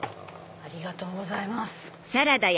ありがとうございます！